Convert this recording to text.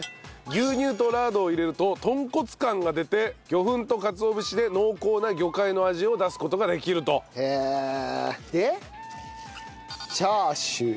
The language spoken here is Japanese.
牛乳とラードを入れると豚骨感が出て魚粉とかつお節で濃厚な魚介の味を出す事ができると。でチャーシュー。